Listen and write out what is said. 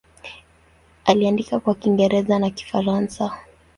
Aliandika kwa Kiingereza na Kifaransa.